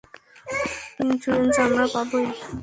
Insurance আমরা পাবোই।